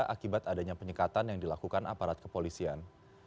akibat adanya penyekatan yang dilakukan aparat kepolisian